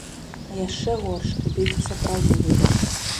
А яшчэ горш рабіць сапраўдны выбар.